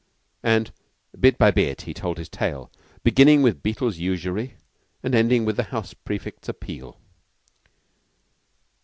And bit by bit he told his tale, beginning with Beetle's usury, and ending with the house prefects' appeal.